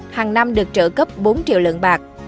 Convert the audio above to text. hàng năm được trợ cấp bốn triệu lượng bạc